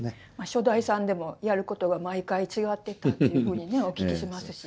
初代さんでもやることが毎回違ってたというふうにねお聞きしますし。